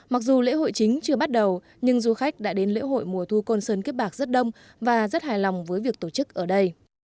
mặc dù lễ hội chính chưa bắt đầu nhưng du khách đã đến lễ hội mùa thu côn sơn kiếp bạc rất đông và rất hài lòng với việc tổ chức ở đây